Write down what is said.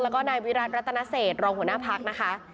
แล้วก็นายวิรัติรัตนเศษรองหัวหน้าพักนะคะ